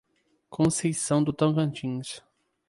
Conceição do Tocantins